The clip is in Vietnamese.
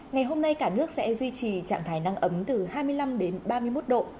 ngày hôm nay cả nước sẽ duy trì trạng thái nắng ấm từ hai mươi năm đến ba mươi một độ